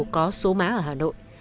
có số má ở hà nội